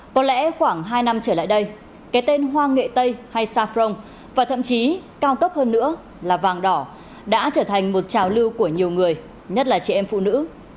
có lẽ khoảng hai năm trở lại đây cái tên hoa nghệ tây hay safrong và thậm chí cao tốc hơn nữa là vàng đỏ đã trở thành một trào lưu của nhiều người nhất là chị em phụ nữ